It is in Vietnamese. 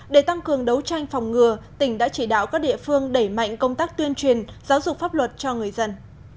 để tăng cường đấu tranh phòng ngừa tỉnh đã chỉ đạo các địa phương đẩy mạnh công tác tuyên truyền giáo dục pháp luật cho người dân